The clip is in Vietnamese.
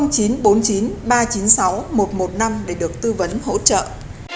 cảm ơn các bạn đã theo dõi và hẹn gặp lại